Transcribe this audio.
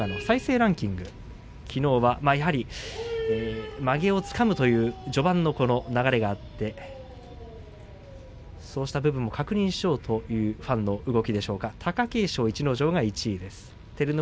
ランキングきのうは、やはりまげをつかむという序盤の流れがあってそうした部分も確認しようというファンの動きでしょうか貴景勝、逸ノ城が１位です。